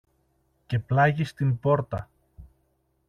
Και πλάγι στην πόρτα